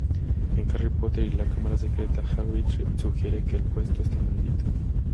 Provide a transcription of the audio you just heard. En "Harry Potter y la cámara secreta" Hagrid sugiere que el puesto está Maldito.